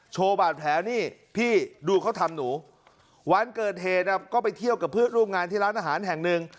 โชว์บาดแผลนี่พี่ดูเขาทำหนูวันเกิดเหตุก็ไปเที่ยวกับเพื่อนร่วมงานที่ร้านอาหารแห่งหนึ่ง